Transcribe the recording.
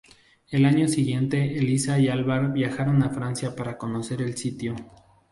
Al año siguiente Elissa y Alvar viajaron a Francia para conocer el sitio.